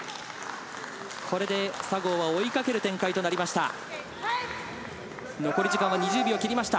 これで佐合は追いかける展開となりました。